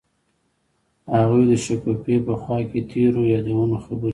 هغوی د شګوفه په خوا کې تیرو یادونو خبرې کړې.